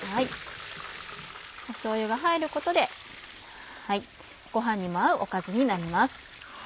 しょうゆが入ることでごはんにも合うおかずになります。